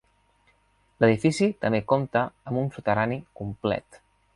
L'edifici també compta amb un soterrani complet.